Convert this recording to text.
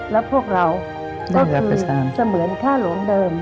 แล้วพวกเราก็คือเสมือนท่าหลวงเดิม